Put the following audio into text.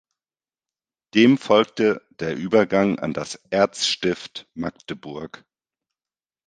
Dem folgte der Übergang an das Erzstift Magdeburg.